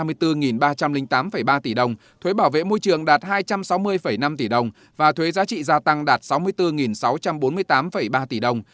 thuế bảo vệ môi trường đạt hai trăm sáu mươi năm tỷ đồng và thuế giá trị gia tăng đạt sáu mươi bốn sáu trăm bốn mươi tám ba tỷ đồng